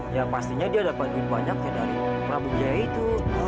ya pastinya dia dapat lebih banyak dari prabu jaya itu